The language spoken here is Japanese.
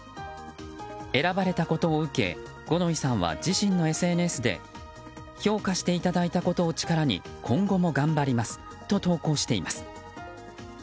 選ばれたことを受け五ノ井さんは、自身のＳＮＳで評価していただいたことを力に今後も頑張りますと投稿しています。